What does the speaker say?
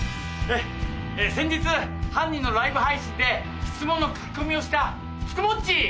先日犯人のライブ配信で質問の書き込みをしたつくもっちー！